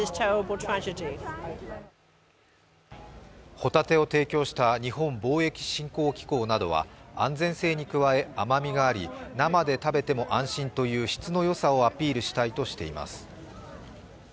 帆立てを提供した日本貿易振興機構などは甘みがあり生で食べても安心という質のよさをアピールしたいとしています。